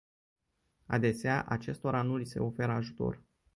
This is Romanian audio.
Adesea, acestora nu li se oferă ajutor.